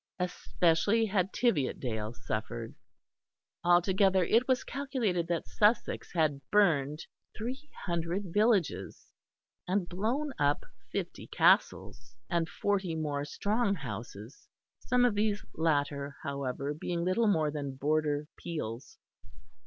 Especially had Tiviotdale suffered. Altogether it was calculated that Sussex had burned three hundred villages and blown up fifty castles, and forty more "strong houses," some of these latter, however, being little more than border peels.